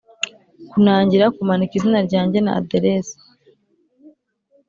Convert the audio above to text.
kunangira kumanika izina ryanjye na aderesi.